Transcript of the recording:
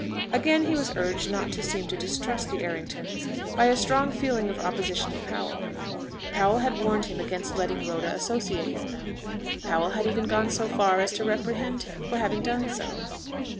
Again, he was urged not to seem to distrust the Erringtons by a strong feeling of opposition to Powell. Powell had warned him against letting Rhoda associate with them. Powell had even gone so far as to reprehend him for having done so.